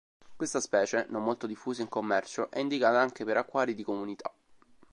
Questa specie, non molto diffusa in commercio, è indicata anche per acquari di comunità.